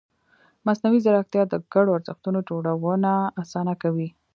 مصنوعي ځیرکتیا د ګډو ارزښتونو جوړونه اسانه کوي.